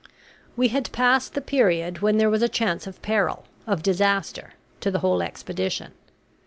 We had passed the period when there was a chance of peril, of disaster, to the whole expedition.